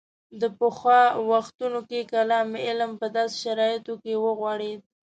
د پخوا وختونو کې کلام علم په داسې شرایطو کې وغوړېد.